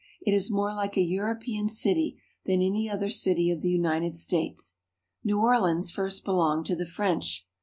It is more like a European city than any other city of the United States. New Orleans first belonged to the French.